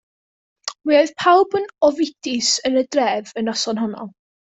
Mi oedd pawb yn ofidus yn y dref y noson honno.